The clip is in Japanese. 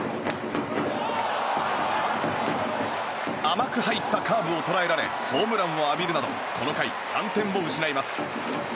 甘く入ったカーブを捉えられホームランを浴びるなどこの回３点を失います。